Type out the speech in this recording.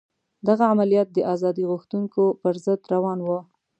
دغه عملیات د ازادي غوښتونکو پر ضد روان وو.